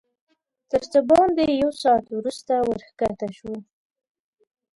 تر څه باندې یو ساعت وروسته ورښکته شوو.